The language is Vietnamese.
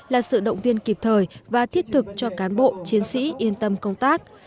là sự động viên kịp thời và thiết thực cho cán bộ chiến sĩ yên tâm công tác